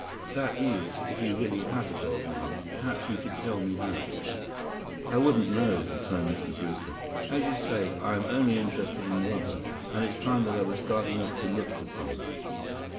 That is, if he really has a gold mine. Perhaps you could tell me that?" "I wouldn't know," returned Mr. Brewster. "As you say, I am only interested in rubber. And it's time that I was starting off to look for some."